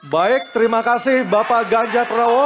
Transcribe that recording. baik terima kasih bapak ganjar pranowo